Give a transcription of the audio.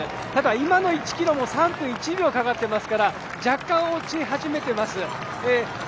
今の１キロも３分１秒かかっているので若干落ちています。